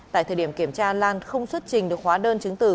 tại thời điểm kiểm tra lan không xuất trình được hóa đơn chứng từ